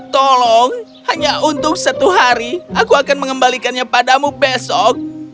tolong hanya untuk satu hari aku akan mengembalikannya padamu besok